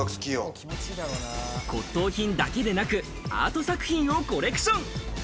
骨董品だけでなく、アート作品をコレクション。